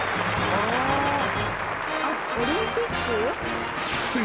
あっオリンピック？